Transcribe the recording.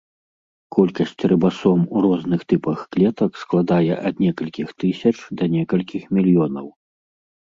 Колькасць рыбасом у розных тыпах клетак складае ад некалькіх тысяч да некалькіх мільёнаў.